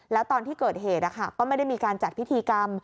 แล้วตอนที่เกิดเหตุก็ไม่ได้มีการจัดพิธีกรรม